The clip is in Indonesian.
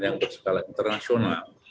yang bersekala internasional